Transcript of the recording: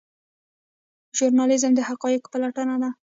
ژورنالیزم د حقایقو پلټنه ده